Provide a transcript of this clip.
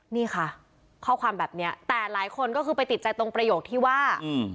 นี่ค่ะข้อความแบบนี้แต่หลายคนก็คือไปติดใจตรงประโยคที่ว่า